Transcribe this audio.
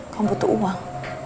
kamu butuh uang